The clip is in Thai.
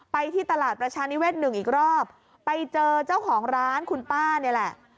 ที่ตลาดประชานิเศษหนึ่งอีกรอบไปเจอเจ้าของร้านคุณป้านี่แหละ